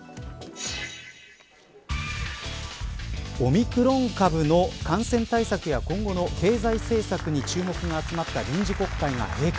オミクロン株の感染対策や今後の経済政策に注目が集まった臨時国会が閉会。